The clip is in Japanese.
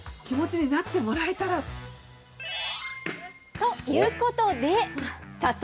ということで、早速。